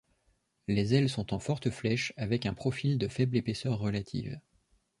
Les ailes sont en forte flèche avec un profil de faible épaisseur relative.